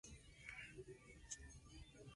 Pero quedaría así descartada la hipótesis de Kiya.